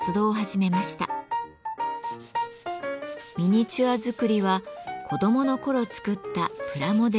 ミニチュア作りは子どもの頃作ったプラモデルの延長です。